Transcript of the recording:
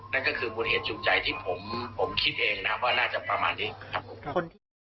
นั่นก็คือมูลเหตุจูงใจที่ผมคิดเองนะครับว่าน่าจะประมาณนี้ครับผม